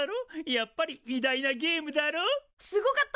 やっぱり偉大なゲームだろう？すごかった！